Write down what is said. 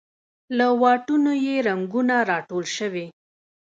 له واټونو یې رنګونه راټول شوې